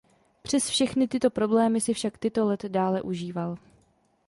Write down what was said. Přes tyto všechny problémy si však Tito let dále užíval.